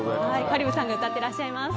香里武さんが歌ってらっしゃいます。